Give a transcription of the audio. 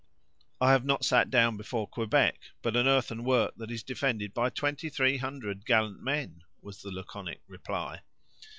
"I have not sat down before Quebec, but an earthen work, that is defended by twenty three hundred gallant men," was the laconic reply.